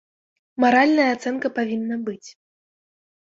Маральная ацэнка павінна быць.